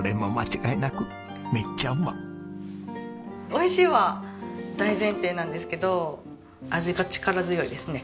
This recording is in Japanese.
おいしいは大前提なんですけど味が力強いですね。